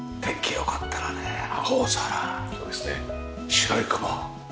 白い雲。